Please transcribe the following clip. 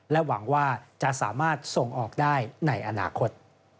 หวังว่าจะสามารถส่งออกได้ในอนาคต